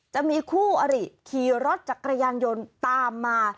จะมีคู่อริขี่รถจักรยานยนต์ตามมา